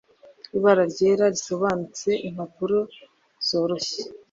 ibara ryera, risobanutse, impapuro zoroshye.